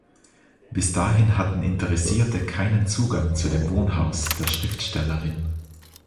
Bis dahin hatten Interessierte keinen Zugang zu dem Wohnhaus der Schriftstellerin.